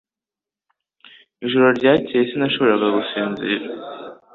Ijoro ryakeye sinashoboraga gusinzira